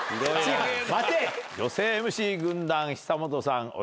女性ＭＣ軍団久本さん